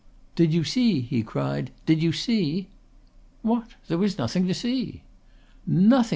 "Did you see?" he cried. "Did you see?" "What? There was nothing to see!" "Nothing!"